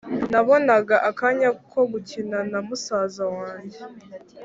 nabonaga akanya ko gukina na musaza wange,